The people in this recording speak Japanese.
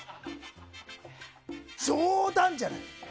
冗談じゃない。